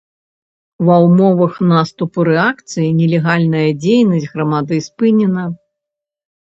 Ва ўмовах наступу рэакцыі нелегальная дзейнасць грамады спынена.